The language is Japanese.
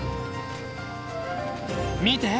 見て！